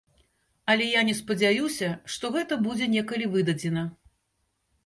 Але я не спадзяюся, што гэта будзе некалі выдадзена.